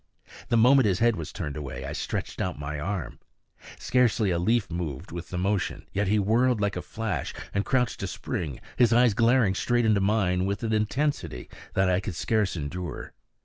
The moment his head was turned away, I stretched out my arm. Scarcely a leaf moved with the motion, yet he whirled like a flash and crouched to spring, his eyes glaring straight into mine with an intensity that I could scarce endure.